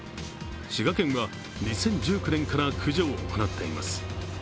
滋賀県は２０１９年から駆除を行っています。